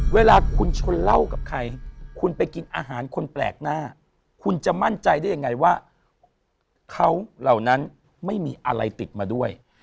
เวลาคุณชนเหล้ากับใครคุณไปกินอาหารคนแปลกหน้าคุณจะมั่นใจได้ยังไงว่าเขาเหล่านั้นไม่มีอะไรติดมาด้วย